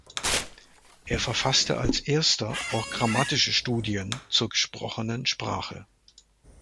Er verfasste als Erster auch grammatische Studien zur gesprochenen Sprache.